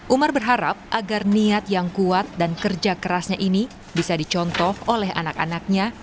umar berharap agar niat yang kuat dan kerja kerasnya ini bisa dicontoh oleh anak anaknya